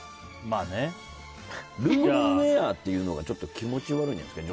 ルームウェアっていうのが気持ち悪いんじゃないですか